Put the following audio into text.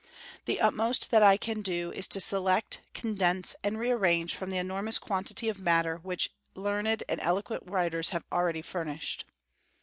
The utmost that I can do is to select, condense, and rearrange from the enormous quantity of matter which learned and eloquent writers have already furnished.